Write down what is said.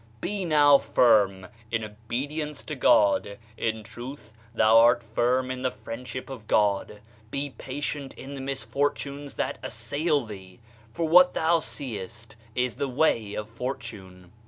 Be now firm in obedience to God ; In truth thou art firm in the friendship of God. Be patient in the mis fortunes that assail thee, for what thou seest is the way of fortune.